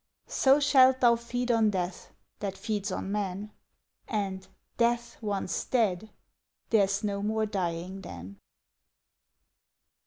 So shalt thou feed on Death, that feeds on men, And, Death once dead, there's no more dying then.